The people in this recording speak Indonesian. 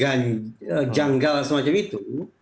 yang berjanggal semacam itu